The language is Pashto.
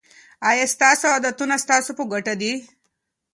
آیا ستاسو عادتونه ستاسو په ګټه دي.